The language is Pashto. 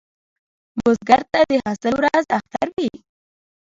بزګر ته د حاصل ورځ اختر وي